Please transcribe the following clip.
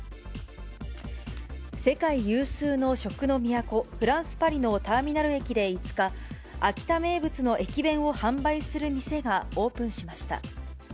世界有数の食の都、フランス・パリのターミナル駅で５日、秋田名物の駅弁を販売する店がオープンしました。